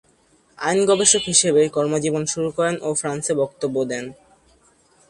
আইন গবেষক হিসেবে কর্মজীবন শুরু করেন ও ফ্রান্সে বক্তব্য দেন।